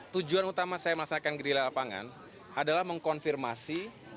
tujuan utama saya masakan gerila lapangan adalah mengkonfirmasi